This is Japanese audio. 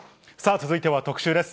続いては特集です。